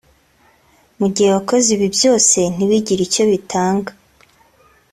Mu gihe wakoze ibi byose ntibigire icyo bitanga